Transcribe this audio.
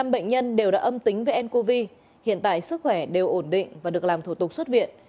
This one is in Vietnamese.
năm bệnh nhân đều đã âm tính với ncov hiện tại sức khỏe đều ổn định và được làm thủ tục xuất viện